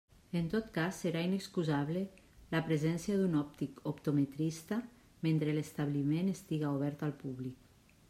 En tot cas, serà inexcusable la presència d'un òptic optometrista mentre l'establiment estiga obert al públic.